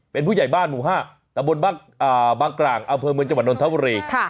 เป็นผู้ใหญ่บ้านหมู่๕ตะบนบังกร่างเอาเพลิงเมืองจังหวัดดนตร์ทะวันลี